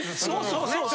そうそう。